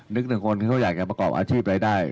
นึกถึงคนที่เขาอยากจะประกอบอาชีพอะไรได้